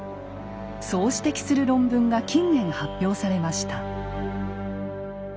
そう指摘する論文が近年発表されました。